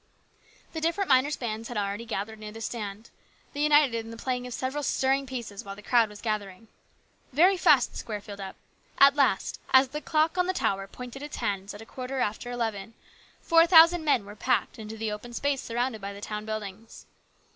The different miners' bands had already gathered near the stand. They united in the playing of several stirring pieces while the crowd was gathering. Very fast the square rilled up. At last, as the clock on the tower pointed its hands at a quarter after eleven, four thousand men were packed into the open space surrounded by the town buildings.